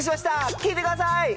聴いてください。